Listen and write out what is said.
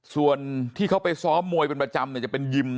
ส่วนที่เขาไปซ้อมมวยเป็นประจำเนี่ยจะเป็นยินดิ์นะฮะ